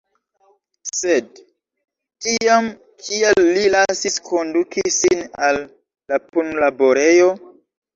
Sed tiam, kial li lasis konduki sin al la punlaborejo?